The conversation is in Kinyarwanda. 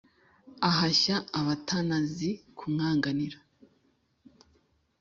Ahashya abatanazi kumwanganira,